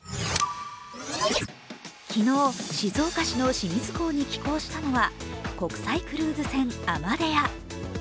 昨日、静岡市の清水港に寄港したのは国際クルーズ船「アマデア」。